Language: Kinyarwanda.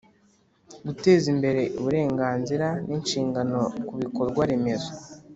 Guteza imbere uburenganzira n inshingano ku bikorwaremezo